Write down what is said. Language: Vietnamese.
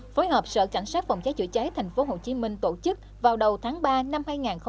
phối hợp sở cảnh sát phòng cháy chữa cháy tp hcm tổ chức vào đầu tháng ba năm hai nghìn hai mươi